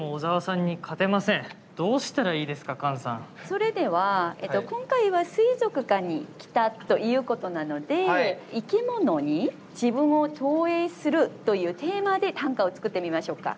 それでは今回は水族館に来たということなのでというテーマで短歌を作ってみましょうか。